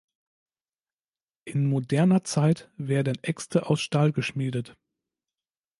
In moderner Zeit werden Äxte aus Stahl geschmiedet.